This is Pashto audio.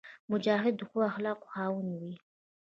مجاهد د ښو اخلاقو خاوند وي.